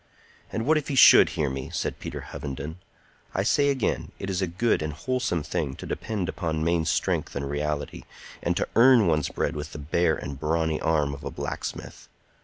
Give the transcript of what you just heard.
"And what if he should hear me?" said Peter Hovenden. "I say again, it is a good and a wholesome thing to depend upon main strength and reality, and to earn one's bread with the bare and brawny arm of a blacksmith.